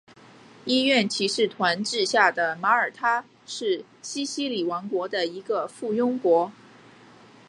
医院骑士团治下的马耳他是西西里王国的一个附庸国。